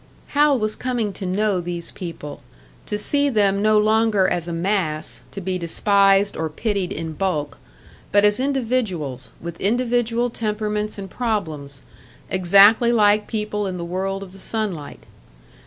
Hal was coming to know these people; to see them no longer as a mass, to be despised or pitied in bulk, but as individuals, with individual temperaments and problems, exactly like people in the world of the sunlight.